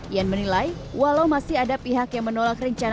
ian menilai walau masih ada pihak yang menolak rencana